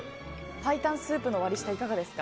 白湯スープの割り下いかがですか？